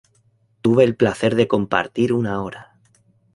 tuve el placer de compartir una hora